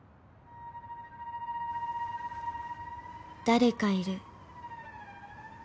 ［誰かいる。